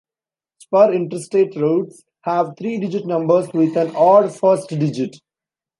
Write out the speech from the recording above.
Spur Interstate routes have three-digit numbers with an odd first digit.